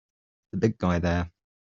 The big guy there!